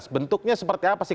bentuknya seperti apa sih